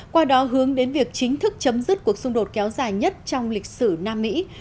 qua đó hướng đến việc chính thức chấm dứt cuộc xung đột kéo dài nhất trong lịch sử nam mỹ